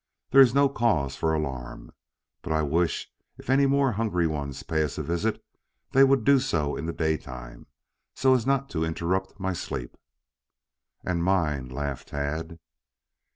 There is no cause for alarm. But I wish if any more hungry ones pay us a visit, they would do so in the day time, so as not to interrupt my sleep." "And mine," laughed Tad.